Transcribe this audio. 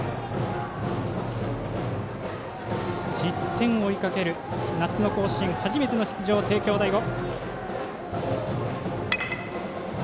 １０点を追いかける夏の甲子園初出場の帝京第五。